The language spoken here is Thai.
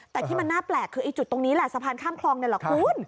แต่ที่มันน่าแปลกคือไอ้จุดตรงนี้แหละสะพานข้ามคลองนี่แหละคุณ